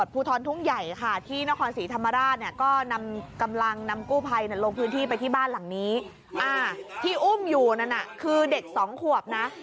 ไปที่บ้านหลังนี้อ่าที่อุ้มอยู่นั่นน่ะคือเด็กสองขวบน่ะ